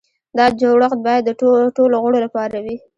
دا جوړښت باید د ټولو غړو لپاره وي.